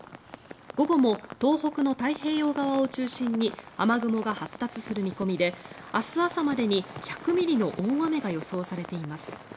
午後も東北の太平洋側を中心に雨雲が発達する見込みで明日朝までに１００ミリの大雨が予想されています。